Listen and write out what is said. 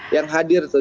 yang hadir tuh